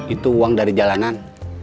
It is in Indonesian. itu uang dari jalanan